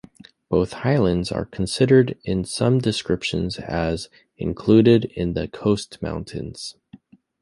Both highlands are considered in some descriptions as included in the Coast Mountains.